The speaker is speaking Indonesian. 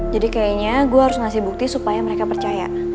jadi kayaknya gua harus ngasih bukti supaya mereka percaya